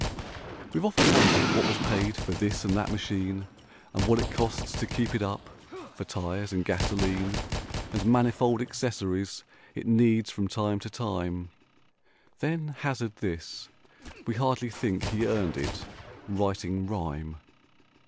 43 We've often wondered what was paid for this and that machine, And what it costs to keep it up: for tires and gasoline And manifold accessories it needs from time to time— Then hazard this: "We hardly think he earned it writing rhyme!"